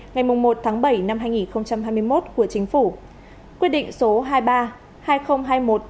ngày một tháng bảy năm hai nghìn hai mươi một của chính phủ